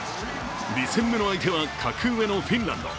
２戦目の相手は格上のフィンランド。